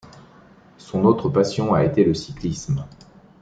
Son autre passion a été le cyclisme.